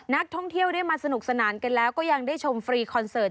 นักท่องเที่ยวได้มาสนุกสนานกันแล้วก็ยังได้ชมฟรีคอนเสิร์ต